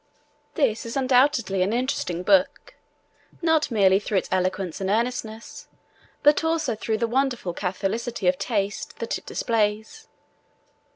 This is undoubtedly an interesting book, not merely through its eloquence and earnestness, but also through the wonderful catholicity of taste that it displays.